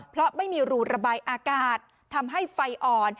เพราะไม่มีรูระบายอากาศทำให้ไฟอ่อน